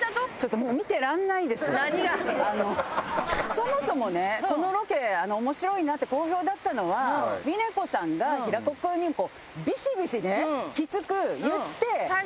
そもそもねこのロケ面白いなって好評だったのは峰子さんが平子君にビシビシねきつく言って。